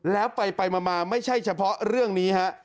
แล้วไปมาไม่ใช่เฉพาะเรื่องนี้ฮะ